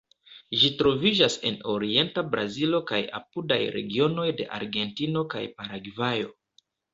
Ĝi troviĝas en orienta Brazilo kaj apudaj regionoj de Argentino kaj Paragvajo.